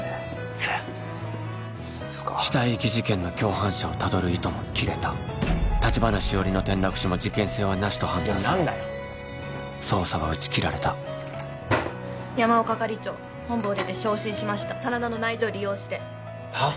そや死体遺棄事件の共犯者をたどる糸も切れた橘しおりの転落死も事件性はなしと判断され捜査は打ち切られた山尾係長本部を出て昇進しました真田の内情利用してはっ？